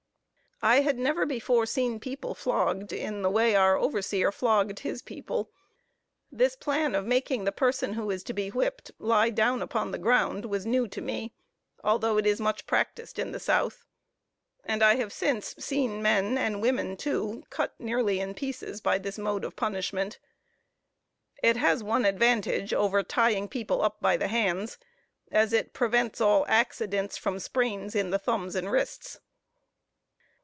I had never before seen people flogged in the way our overseer flogged his people. This plan of making the person who is to be whipped lie down upon the ground, was new to me, though it is much practiced in the South; and I have since seen men, and women too, cut nearly in pieces by this mode of punishment. It has one advantage over tying people up by the hands, as it prevents all accidents from sprains in the thumbs or wrists.